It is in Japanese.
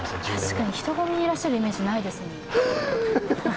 確かに人混みにいらっしゃるイメージないですもん。